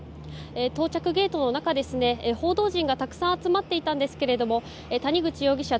到着ゲートの中報道陣がたくさん集まっていたんですが谷口容疑者